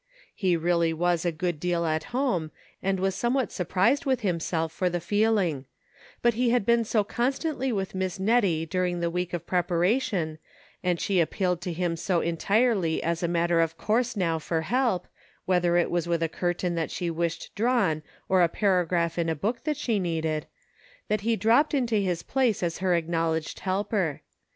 He really was a 234 PROGRESS. good deal at home ; and was somewhat surprised with himself for the feeling ; but he had been so constantly with Miss Nettie during the week of preparation, and she appealed to him so entirely as a matter of course now for help, whether it was with a curtain that she wished drawn, or a para graph in a book that she needed, that he dropped into his place as her acknowledged helper.